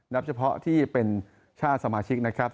เฉพาะที่เป็นชาติสมาชิกนะครับ